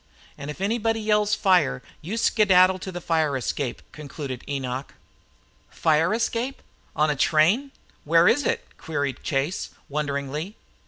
"An' if anybody yells 'Fire!' you skedaddle to the fire escape," concluded Enoch. "Fire escape? On a train? Where is it?" queried Chase, wonderingly.